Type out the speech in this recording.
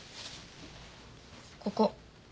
ここ。